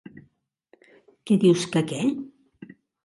Què dius que què?